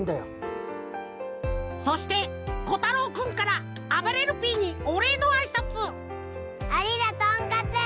そしてこたろうくんからあばれるＰにおれいのあいさつありがとんかつ！